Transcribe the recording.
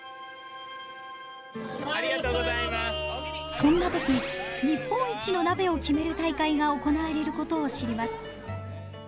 そんな時日本一の鍋を決める大会が行われることを知ります。